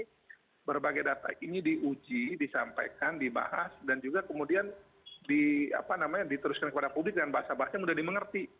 jadi berbagai data ini diuji disampaikan dibahas dan juga kemudian diteruskan kepada publik dengan bahasa bahasnya mudah dimengerti